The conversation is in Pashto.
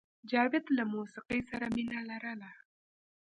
جاوید له موسیقۍ سره مینه لرله